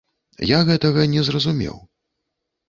Я гэтага не зразумеў.